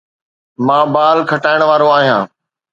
مان بال کٽائڻ وارو آهيان